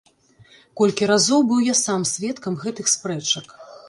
Колькі разоў быў я сам сведкам гэтых спрэчак.